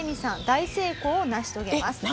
大成功を成し遂げます。